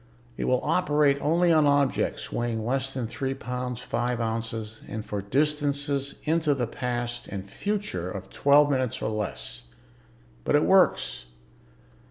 It will operate only on objects weighing less than three pounds, five ounces and for distances into the past and future of twelve minutes or less. But it works."